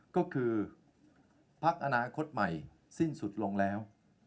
ก็คือพักอนาคตใหม่สิ้นสุดลงแล้ว